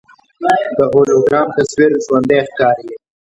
د هولوګرام تصویر ژوندی ښکاري.